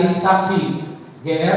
jadi posisinya duduk